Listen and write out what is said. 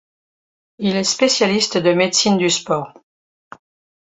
Il est spécialiste de médecine du sport.